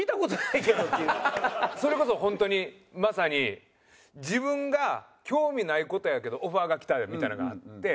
それこそ本当にまさに自分が興味ない事やけどオファーがきたみたいなのがあって。